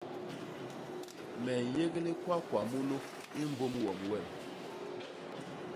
Me nyék likwakwaa munu i mbôm wom wem.